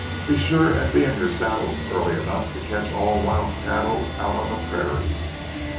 Be sure and be in your saddles early enough to catch all wild cattle out on the prairies.